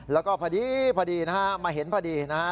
แล้วก็พอดีนะฮะมาเห็นพอดีนะฮะ